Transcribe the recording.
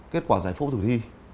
kết quả giải phẫu thử thi